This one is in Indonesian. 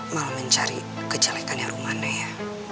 malah mencari kejelekannya rumana ya